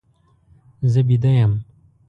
زه ویده یم.